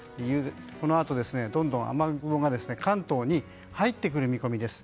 このあと、どんどん雨雲が関東に入ってくる見込みです。